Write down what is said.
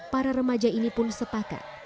para remaja ini pun sepakat